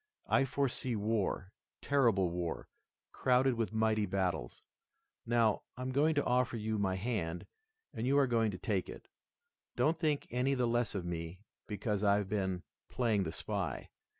I foresee war, terrible war, crowded with mighty battles. Now, I'm going to offer you my hand and you are going to take it. Don't think any the less of me because I've been playing the spy.